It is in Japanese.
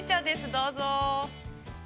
どうぞ。